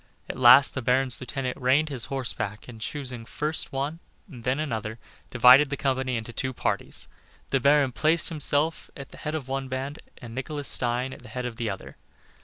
At last the Baron's lieutenant reined his horse back, and choosing first one and then another, divided the company into two parties. The baron placed himself at the head of one band and Nicholas Stein at the head of the other.